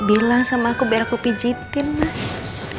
bilang sama aku biar aku pijitin mas